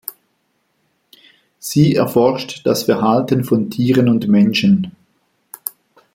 Sie erforscht das Verhalten von Tieren und Menschen.